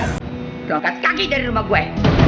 berangkat kaki dari rumah gue